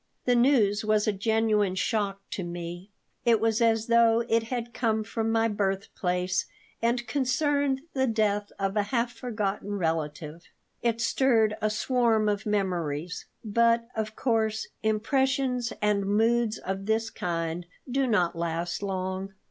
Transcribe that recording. The news was a genuine shock to me. It was as though it had come from my birthplace and concerned the death of a half forgotten relative. It stirred a swarm of memories; but, of course, impressions and moods of this kind do not last long.